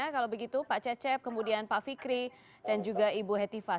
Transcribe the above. terima kasih juga untuk pak cecep kemudian pak fikri dan juga ibu hetifah